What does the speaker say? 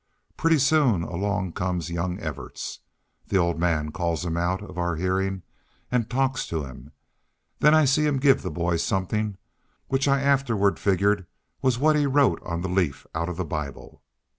Pretty soon along comes young Evarts. The old man calls him out of our hearin' an' talks to him. Then I seen him give the boy somethin', which I afterward figgered was what he wrote on the leaf out of the Bible.